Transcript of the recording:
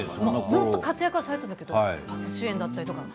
ずっと活躍されていましたけど初主演だったりとか。